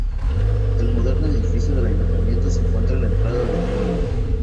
El moderno edificio del ayuntamiento se encuentra en la entrada del pueblo.